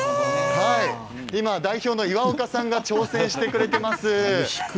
今、代表の岩岡さんが挑戦してくれています。